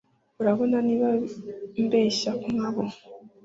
Urabona niba mbeshya nkabo